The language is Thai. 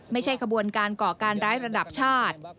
ขบวนการก่อการร้ายระดับชาติ